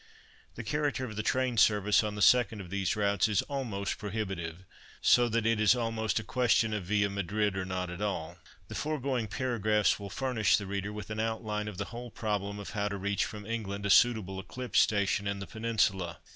The character of the train service on the second of these routes is almost prohibitive, so that it is almost a question of viâ Madrid or not at all. The foregoing paragraphs will furnish the reader with an outline of the whole problem of how to reach from England a suitable eclipse station in the Peninsula.